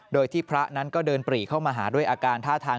โดยที่พระนั้นก็เดินปรีเข้ามาหาด้วยอาการท่าทาง